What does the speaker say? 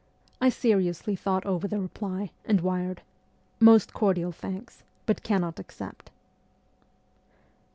I seriously thought over the reply, and wired, ' Most cordial thanks, but cannot accept.'